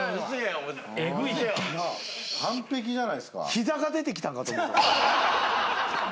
ヒザが出てきたんかと思うた。